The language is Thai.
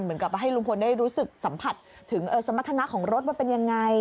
เหมือนกับให้ลุงพลได้รู้สึกสัมผัสถึงสมรรถนะของรถว่าเป็นยังไง